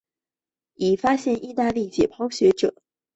以发现者意大利解剖学家马尔比基命名。